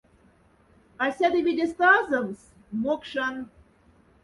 А сяда видеста азомс — мокшан.